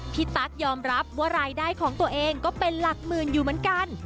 ตั๊กยอมรับว่ารายได้ของตัวเองก็เป็นหลักหมื่นอยู่เหมือนกัน